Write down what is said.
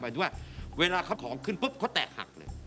ที่ว่าเวลาเขาของขึ้นปุ๊บเขาแตกหักเลย